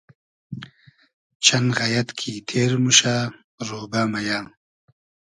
چئن غئیئد کی تیر موشۂ رۉبۂ مئیۂ